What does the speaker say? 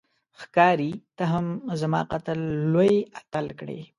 ښکاري ته هم زما قتل لوی اتل کړې